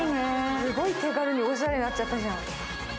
すごい手軽におしゃれになっちゃったじゃん。